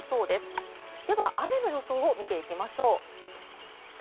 では、雨の予想を見ていきましょう。